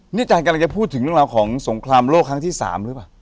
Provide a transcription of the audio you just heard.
นี่อาจารย์กำลังจะพูดถึงเรื่องราวของสงครามโลกครั้งที่๓หรือเปล่า